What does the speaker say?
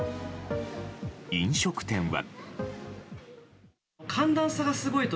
飲食店は。